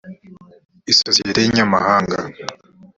isosiyete y’inyamahanga